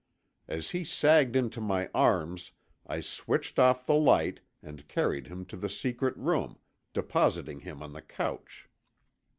As he sagged into my arms I switched off the light and carried him to the secret room, depositing him on the couch.